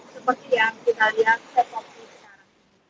seperti yang kita lihat saya berada di pantai